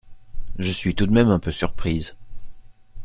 Je suis tout de même un peu surprise.